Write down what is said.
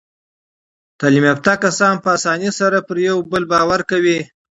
تعلیم یافته کسان په اسانۍ سره پر یو بل باور کوي.